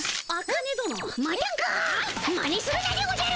まねするなでおじゃる！